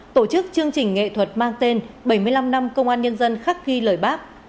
tổ chức chương trình nghệ thuật mang tên bảy mươi năm năm công an nhân dân khắc ghi lời bác